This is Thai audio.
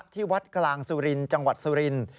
ที่วัดกลางสุรินทร์จังหวัดสุรินทร์